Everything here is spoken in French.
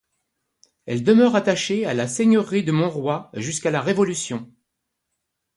Elle demeure attachée à la seigneurie de Montroy jusqu’à la Révolution.